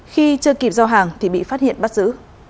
khi chưa kịp giao hàng thì bị phát hiện bắt giữ